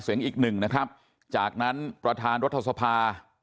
เสียงอีกหนึ่งนะครับจากนั้นประธานรัฐสภา